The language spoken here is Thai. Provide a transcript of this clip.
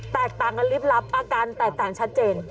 แตกต่างกันลิบลับอาการแตกต่างชัดเจน